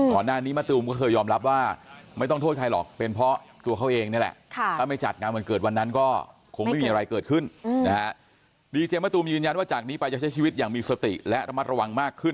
ตอนนั้นนี้มะตูมก็เคยยอมรับว่าไม่ต้องโทษใครหรอก